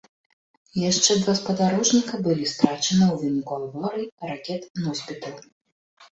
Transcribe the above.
Яшчэ два спадарожнікі былі страчаны ў выніку аварый ракет-носьбітаў.